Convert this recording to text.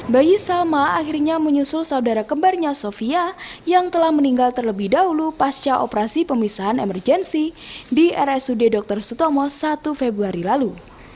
bayi salma akhirnya menyusul saudara kembarnya sofia yang telah meninggal terlebih dahulu pasca operasi pemisahan emergensi di rsud dr sutomo satu februari lalu